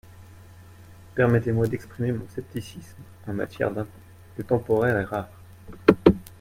Permettez-moi d’exprimer mon scepticisme, en matière d’impôt, le temporaire est rare.